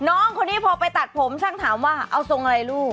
น้องคนนี้พอไปตัดผมช่างถามว่าเอาทรงอะไรลูก